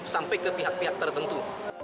sampai ke pihak pihak tertentu